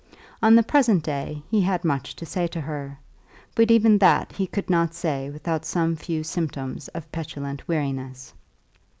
On the present day he had much to say to her, but even that he could not say without some few symptoms of petulant weariness.